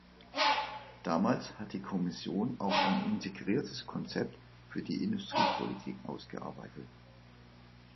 Damals hat die Kommission auch ein integriertes Konzept für die Industriepolitik ausgearbeitet.